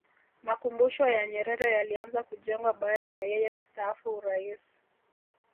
makumbusho ya nyerere yalianza kujengwa baada ya yeye kustaafu urais